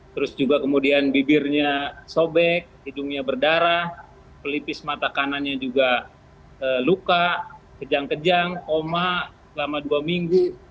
terus juga kemudian bibirnya sobek hidungnya berdarah pelipis mata kanannya juga luka kejang kejang oma selama dua minggu